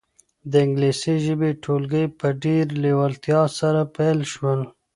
د انګلیسي ژبې ټولګي په ډېرې لېوالتیا سره پیل شول.